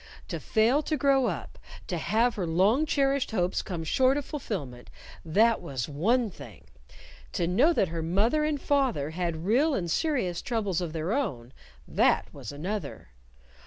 To fail to grow up, to have her long cherished hopes come short of fulfillment that was one thing. To know that her mother and father had real and serious troubles of their own, that was another!